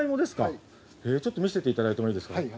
ちょっと見せていただいてもいいですか？